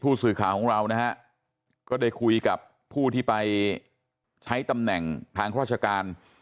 สื่อข่าวของเรานะฮะก็ได้คุยกับผู้ที่ไปใช้ตำแหน่งทางราชการ